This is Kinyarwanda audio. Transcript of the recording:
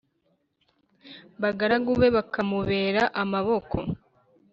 bagaragu be bakamubera amaboko